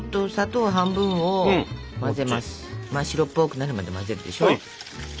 真っ白っぽくなるまで混ぜるでしょ。